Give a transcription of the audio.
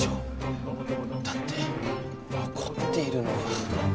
だって残っているのは。